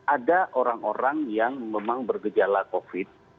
ada orang orang yang memang bergejala covid